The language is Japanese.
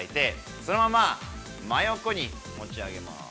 そのまま真横に持ち上げます。